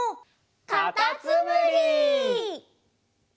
かたつむり！